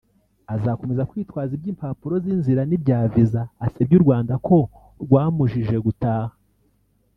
Azakomeza kwitwaza iby’impapuro zinzira n’ibya visa asebye u Rwanda ko rwamujije gutaha